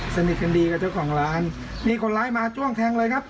สนิทกันดีกับเจ้าของร้านมีคนร้ายมาจ้วงแทงเลยครับ